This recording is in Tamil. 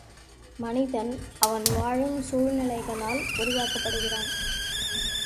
மனிதன், அவன் வாழும் சூழ்நிலைகளால் உருவாக்கப் படுகின்றான்.